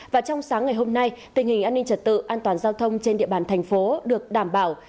và trong sáng ngày hôm nay tình hình an ninh trật tự an toàn giao thông trên địa bàn thành phố được đảm bảo